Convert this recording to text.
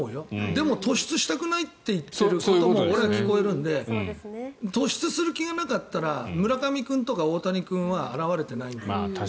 でも、突出したくないと言っているようにも俺、聞こえるので突出する気がなかったら村上君とか大谷君とかは現れてない。